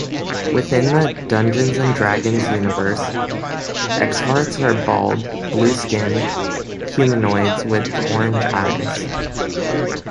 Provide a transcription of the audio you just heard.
Within the "Dungeons and Dragons" universe, Xvarts are bald, blue-skinned humanoids with orange eyes.